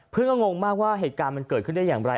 ก็งงมากว่าเหตุการณ์มันเกิดขึ้นได้อย่างไร